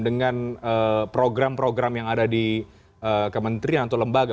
dengan program program yang ada di kementerian atau lembaga